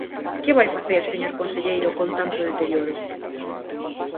Que vai facer, señor conselleiro, con tanto deterioro?